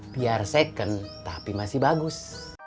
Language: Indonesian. biar second tapi masih bagus